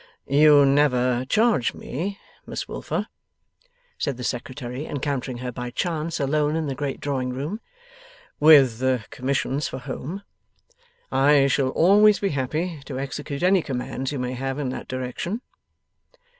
'You never charge me, Miss Wilfer,' said the Secretary, encountering her by chance alone in the great drawing room, 'with commissions for home. I shall always be happy to execute any commands you may have in that direction.